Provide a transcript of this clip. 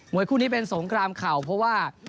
วยคู่นี้เป็นสงครามเข่าเพราะว่า